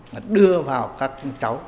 và đưa vào các cháu